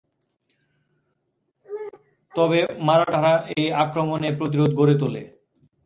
তবে মারাঠারা এই আক্রমণে প্রতিরোধ গড়ে তোলে।